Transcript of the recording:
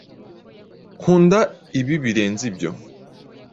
Nkunda ibi birenze ibyo.